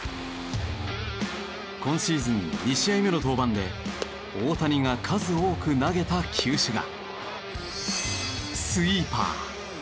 今シーズン２試合目の登板で大谷が数多く投げた球種が。